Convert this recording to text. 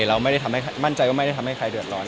เราไม่ได้ทำให้มั่นใจว่าไม่ได้ทำให้ใครเดือดร้อน